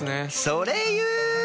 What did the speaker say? それ言う！？